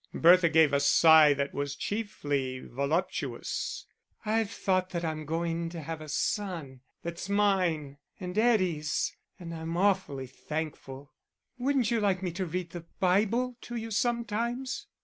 Bertha gave a sigh that was chiefly voluptuous. "I've thought that I'm going to have a son, that's mine and Eddie's; and I'm awfully thankful." "Wouldn't you like me to read the Bible to you sometimes?"